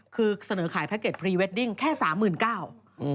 คือเสนอขายแพ็กเกจพรีเวดดิ่งแค่๓๙๐๐๐บาท